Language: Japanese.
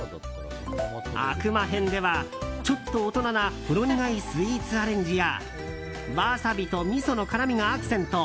「悪魔編」では、ちょっと大人なほろ苦いスイーツアレンジやワサビとみその辛みがアクセント！